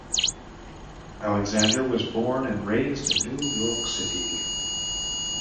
Alexander was born and raised in New York City.